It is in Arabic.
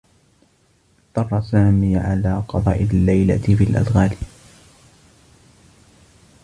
اضطرّ سامي على قضاء اللّيلة في الأدغال.